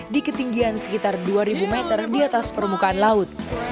di ketinggian sekitar dua ribu meter di atas permukaan laut